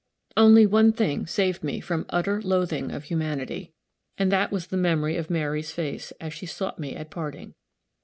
Only one thing saved me from utter loathing of humanity, and that was the memory of Mary's face, as she had sought me at parting.